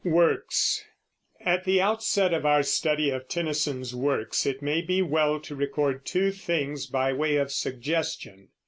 WORKS. At the outset of our study of Tennyson's works it may be well to record two things, by way of suggestion.